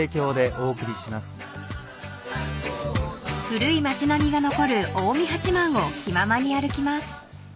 ［古い町並みが残る近江八幡を気ままに歩きます］